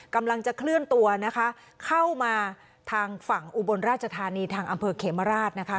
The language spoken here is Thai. กำลังจะเคลื่อนตัวนะคะเข้ามาทางฝั่งอุบลราชธานีทางอำเภอเขมราชนะคะ